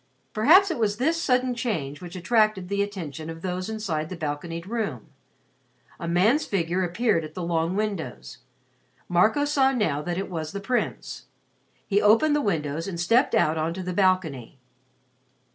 Perhaps it was this sudden change which attracted the attention of those inside the balconied room. A man's figure appeared at the long windows. Marco saw now that it was the Prince. He opened the windows and stepped out on to the balcony.